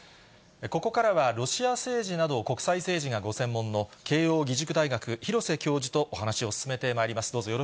ここからはロシア政治など国際政治がご専門の慶應義塾大学、廣瀬教授とお話を進めてまいります。